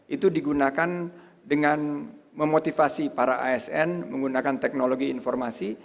itu digunakan dengan memotivasi para asn menggunakan teknologi informasi